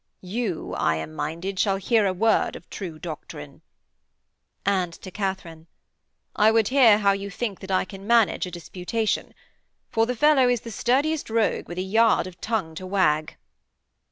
'You, I am minded, shall hear a word of true doctrine.' And to Katharine, 'I would hear how you think that I can manage a disputation. For the fellow is the sturdiest rogue with a yard of tongue to wag.'